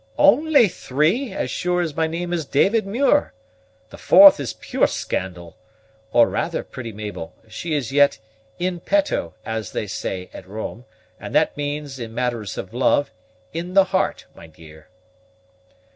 "Only three, as sure as my name is David Muir. The fourth is pure scandal or rather, pretty Mabel, she is yet in petto, as they say at Rome; and that means, in matters of love, in the heart, my dear."